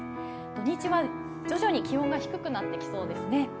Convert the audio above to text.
土日は徐々に気温が低くなってきそうですね。